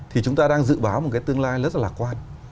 thì chúng ta đang dự báo một cái tương lai rất là lạc quan